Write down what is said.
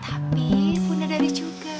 tapi buddha dari juga